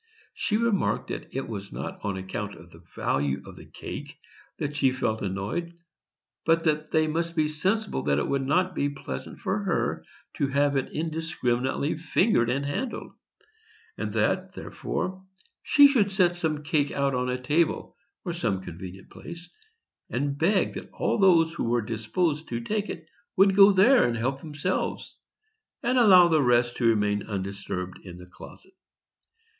She remarked that it was not on account of the value of the cake that she felt annoyed, but that they must be sensible that it would not be pleasant for her to have it indiscriminately fingered and handled, and that, therefore, she should set some cake out upon a table, or some convenient place, and beg that all those who were disposed to take it would go there and help themselves, and allow the rest to remain undisturbed in the closet.